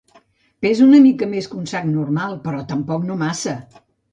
Pesa una mica més que un sac normal, però tampoc no massa.